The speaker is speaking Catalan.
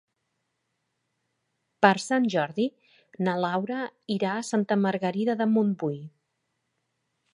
Per Sant Jordi na Laura irà a Santa Margarida de Montbui.